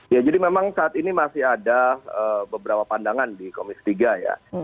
ya jadi memang saat ini masih ada beberapa pandangan di komisi tiga ya